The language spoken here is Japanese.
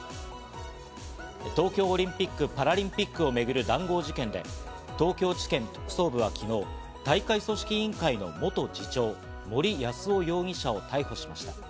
東京オリンピック・パラリンピックを巡る談合事件で、東京地検特捜部は昨日、大会組織委員会の元次長・森泰夫容疑者を逮捕しました。